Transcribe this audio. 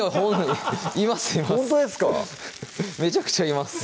めちゃくちゃいます